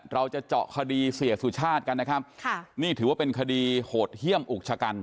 เราจะเจาะคดีเสียสุชาติกันนะครับค่ะนี่ถือว่าเป็นคดีโหดเยี่ยมอุกชะกัน